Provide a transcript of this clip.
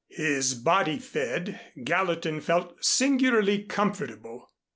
His body fed, Gallatin felt singularly comfortable.